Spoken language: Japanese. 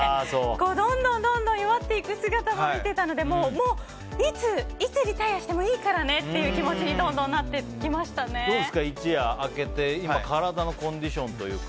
どんどん弱っていく姿も見ていたのでもう、いつリタイアしてもいいからねっていう気持ちにどうですか、一夜明けて今、体のコンディションというか。